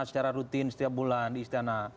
secara rutin setiap bulan di istana